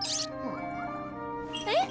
えっ？